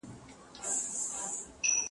نور به د پېغلوټو د لونګ خبري نه کوو-